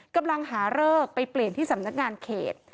กำลังหาเลิกไปเปลี่ยนที่สำนักงานเขต